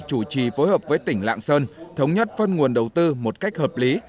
chủ trì phối hợp với tỉnh lạng sơn thống nhất phân nguồn đầu tư một cách hợp lý